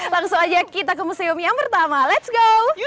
langsung aja kita ke museum yang pertama let s go